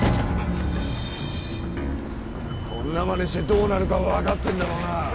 こんなまねしてどうなるかわかってんだろうな！